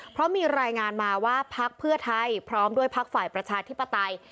เพราะมีรายงานมาว่าพักเพื่อไทยพร้อมด้วยพักฝ่ายประชาธิปไตย